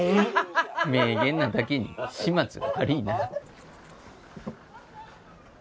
名言なだけに始末が悪いな。